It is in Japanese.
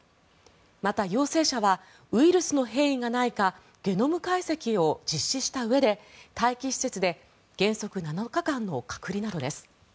また、陽性者はウイルスの変異がないかゲノム解析を実施したうえで、待機施設で原則７日間の隔離などです。